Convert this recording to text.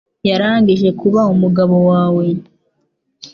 yarangije kuba umugabo wawe